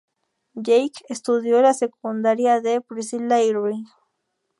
Jake estudió en la secundaria de Priscilla Irving.